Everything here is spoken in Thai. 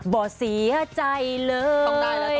บ่เสียใจเลย